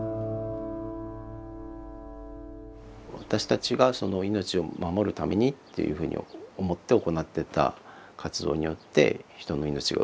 私たちが命を守るためにっていうふうに思って行ってた活動によって人の命が奪われた。